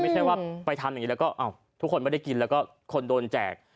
ไม่ใช่ว่าไปทำอย่างนี้แล้วก็ทุกคนไม่ได้กินแล้วก็คนโดนแจก